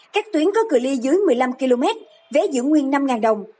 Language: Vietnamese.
các tuyến có cửa ly dưới một mươi năm km vé giữ nguyên năm đồng